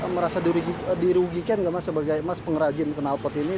merasa dirugikan nggak mas sebagai mas pengrajin kenalpot ini